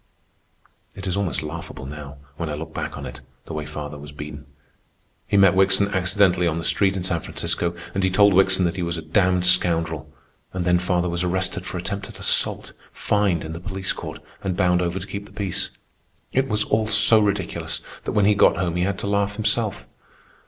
It is almost laughable now, when I look back on it, the way father was beaten. He met Wickson accidentally on the street in San Francisco, and he told Wickson that he was a damned scoundrel. And then father was arrested for attempted assault, fined in the police court, and bound over to keep the peace. It was all so ridiculous that when he got home he had to laugh himself.